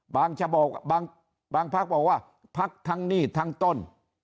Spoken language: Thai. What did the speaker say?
บางจะบอกบางบางพักบอกว่าพักทั้งหนี้ทั้งต้น